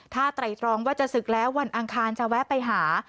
ถ้าไตรตรองว่าจะศึกแล้ววันอังคารจะแวะไปหา